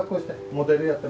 モデルやって。